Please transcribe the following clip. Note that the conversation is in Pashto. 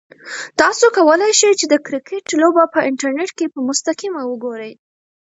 تاسو کولای شئ چې د کرکټ لوبه په انټرنیټ کې په مستقیم وګورئ.